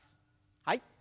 はい。